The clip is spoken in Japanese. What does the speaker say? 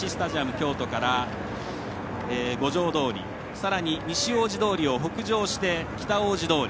京都から五条通、さらに西大路通を北上して北大路通。